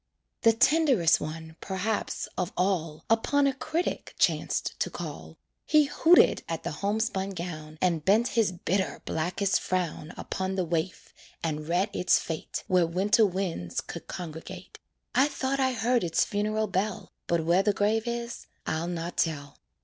The tenderest one, perhaps, of all, Upon a critic chanced to call; He hooted at the homespun gown, And bent his bitter, blackest frown Upon the waif, and read its fate Where winter winds could congregate. I thought I heard its funeral bell, But where the grave is I'll not tell.